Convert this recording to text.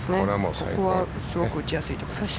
ここはすごく打ちやすいところです。